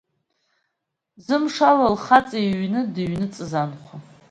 Зымшала лхаҵа иҩны дыҩныҵыз анхәа.